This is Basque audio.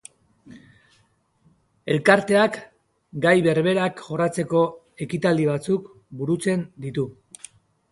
Elkarteak gai berberak jorratzeko ekitaldi batzuk burutzen ditu.